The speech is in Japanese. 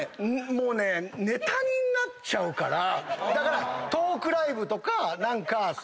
もうねネタになっちゃうからだから。